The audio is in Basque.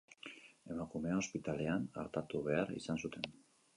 Emakumea ospitalean artatu behar izan zuten.